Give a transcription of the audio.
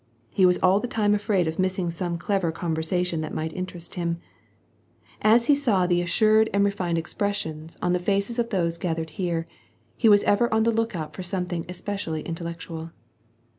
He was all the time afraid of missing some clever con versation that might interest him. As he saw the assured 10 WAR AND PEACE. and refined expressions on the faces of those gathered here, he was ever on the look out for something especially intellectual.